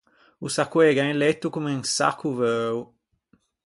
O s’accoega in letto comme un sacco veuo.